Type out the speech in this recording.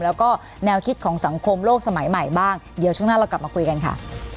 แล้วก็แนวคิดของสังคมโลกสมัยใหม่บ้างเดี๋ยวช่วงหน้าเรากลับมาคุยกันค่ะ